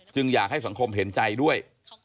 อยากให้สังคมเห็นใจด้วย